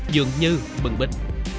dường như bừng bích